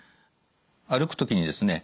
歩く時にですね